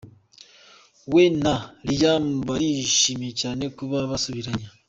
We na Liam barishimye cyane kuba basubiranye.